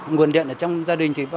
nguồn điện ở trong gia đình